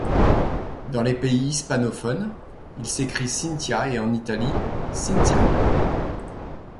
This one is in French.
Dans les pays hispanophones, il s'écrit Cinthia et, en Italie, Cinzia.